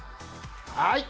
はい！